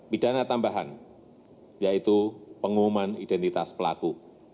pidana tambahan yaitu pengumuman identitas pelaku